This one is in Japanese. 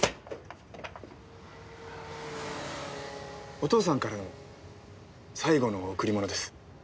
お父さんからの最後の贈り物です。